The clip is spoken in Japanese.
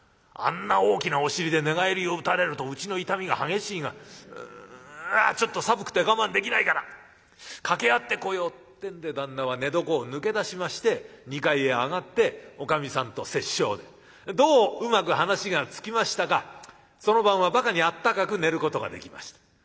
あんな大きなお尻で寝返りを打たれるとうちの傷みが激しいがうんちょっと寒くて我慢できないから掛け合ってこよう」ってんで旦那は寝床を抜け出しまして２階へ上がっておかみさんと折衝でどううまく話がつきましたかその晩はばかにあったかく寝ることができました。